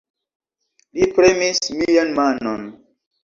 Li premis mian manon.